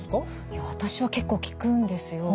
いや私は結構聞くんですよ。